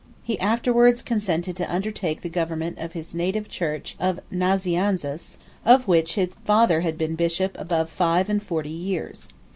He afterwards consented to undertake the government of his native church of Nazianzus, 31 of which his father had been bishop above five and forty years.